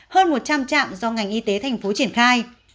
hơn một trăm linh trạm do ngành y tế thành phố triển khai